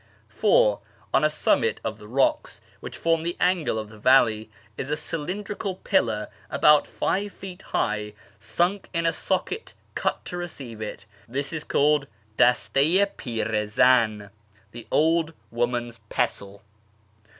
(iv) On a summit of the rocks which form the angle of the valley is a cylindrical pillar about five feet high, sunk in a socket cut to receive it. This is called Dasta i Pirc Zan (" the Old Woman's Pestle").